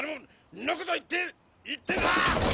んなこと言って言ってあぁ！